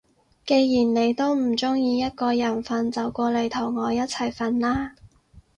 既然你都唔中意一個人瞓，就過嚟同我一齊瞓啦